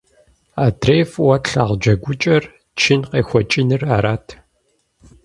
Адрей фӀыуэ тлъагъу джэгукӀэр чын къехуэкӀыныр арат.